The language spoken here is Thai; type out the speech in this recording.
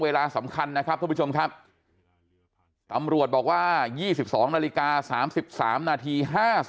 เวลาสำคัญนะครับทุกผู้ชมครับตำรวจบอกว่า๒๒นาฬิกา๓๓นาที